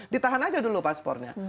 ditahan aja dulu paspornya